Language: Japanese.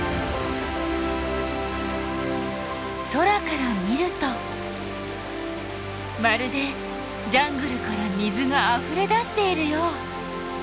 空から見るとまるでジャングルから水があふれ出しているよう。